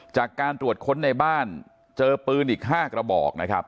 จากการตรวจค้นในบ้านเจอปืนอีก๕กระบอกนะครับ